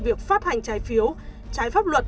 việc phát hành trái phiếu trái pháp luật